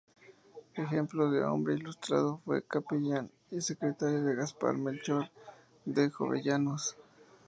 Ejemplo de hombre ilustrado, fue capellán y secretario de Gaspar Melchor de Jovellanos.